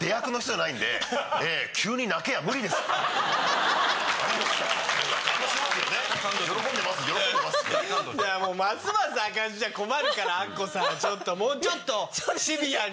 じゃもうますます赤字じゃ困るからあっこさんもうちょっとシビアに。